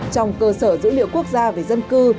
trong cơ sở dữ liệu quốc gia về dân cư